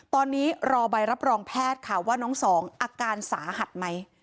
ตอนนี้รอใบรับรองแพทย์ค่ะว่าน้องสองอาการสาหัสไหม